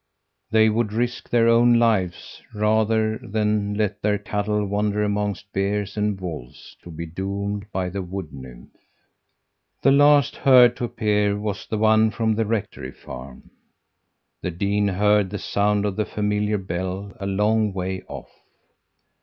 'They would risk their own lives rather than let their cattle wander amongst bears and wolves, to be doomed by the Wood nymph!' "The last herd to appear was the one from the rectory farm. The dean heard the sound of the familiar bell a long way off.